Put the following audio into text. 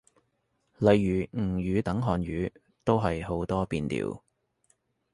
例如吳語等漢語，都係好多變調